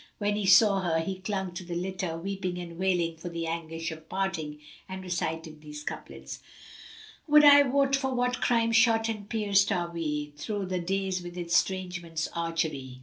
When he saw her, he clung to the litter, weeping and wailing for the anguish of parting, and recited these couplets, "Would I wot for what crime shot and pierced are we * Thro' the days with Estrangement's archery!